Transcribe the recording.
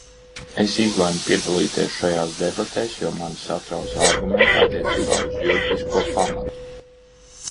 Es izlēmu piedalīties šajās debatēs, jo mani satrauca argumenti attiecībā uz juridisko pamatu.